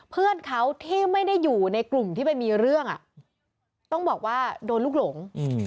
เพื่อนเขาที่ไม่ได้อยู่ในกลุ่มที่ไปมีเรื่องต้องบอกว่าโดนลูกหลง